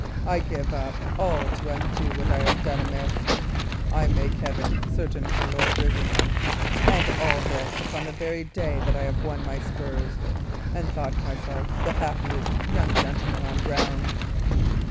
I give up all to undo what I have done amiss; I make heaven certain for Lord Risingham. And all this upon the very day that I have won my spurs, and thought myself the happiest young gentleman on ground."